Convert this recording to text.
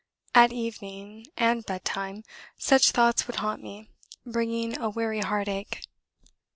At evening and bed time, such thoughts would haunt me, bringing a weary heartache."